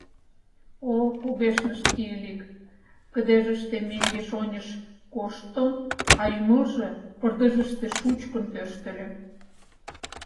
— О-о! — кугешныш Тиилик, кыдежыште мӧҥгеш-оньыш кошто, а ӱмылжӧ пырдыжыште шучкын тӧрштыльӧ.